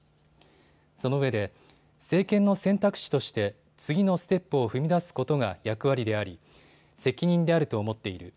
そのうえで政権の選択肢として次のステップを踏み出すことが役割であり責任であると思っている。